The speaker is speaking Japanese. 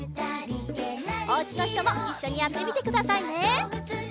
おうちのひともいっしょにやってみてくださいね！